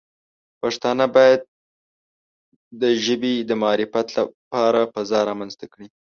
پښتانه باید د ژبې د معرفت لپاره فضا رامنځته کړي.